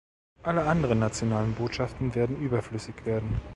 Alle anderen nationalen Botschaften werden überflüssig werden.